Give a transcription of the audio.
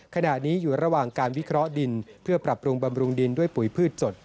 ขณะนี้อยู่ระหว่างการวิเคราะห์ดินเพื่อปรับปรุงบำรุงดินด้วยปุ๋ยพืชจด